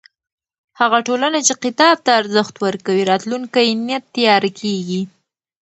هغه ټولنه چې کتاب ته ارزښت ورکوي، راتلونکی یې نه تیاره کېږي.